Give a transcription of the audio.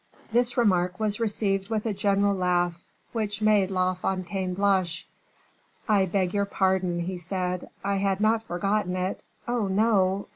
_'" This remark was received with a general laugh, which made La Fontaine blush. "I beg your pardon," he said, "I had not forgotten it; oh, no!